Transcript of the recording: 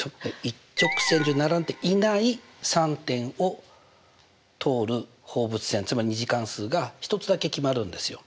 一直線上に並んでいない３点を通る放物線つまり２次関数が１つだけ決まるんですよ。